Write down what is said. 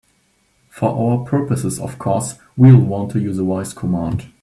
For our purposes, of course, we'll want to use a voice command.